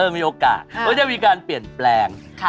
มีโอกาสก็จะมีการเปลี่ยนแปลง